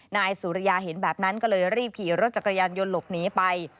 นายสุริยาเห็นแบบนั้นก็เลยรีบขี่รถจักรยานยนต์หลบหนีไป